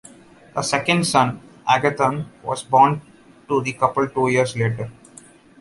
A second son, Agathon, was born to the couple two years later.